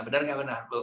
benar nggak benar bu